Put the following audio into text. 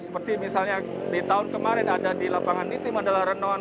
seperti misalnya di tahun kemarin ada di lapangan niti mandala renon